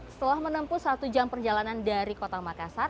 setelah menempuh satu jam perjalanan dari kota makassar